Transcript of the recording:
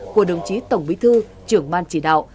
của đồng chí tổng bí thư trưởng ban chỉ đạo